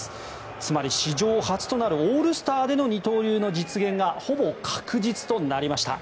つまり史上初となるオールスターでの二刀流の実現がほぼ確実となりました。